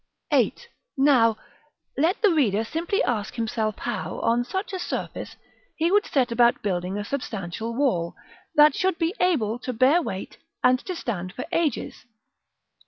[Illustration: Fig. II.] § VIII. Now, let the reader simply ask himself how, on such a surface, he would set about building a substantial wall, that should be able to bear weight and to stand for ages.